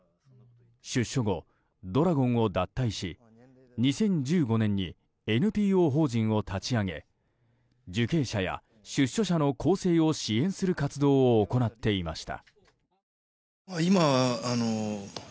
出所後、怒羅権を脱退し２０１５年にＮＰＯ法人を立ち上げ受刑者や出所者の更生を支援する活動を行っていました。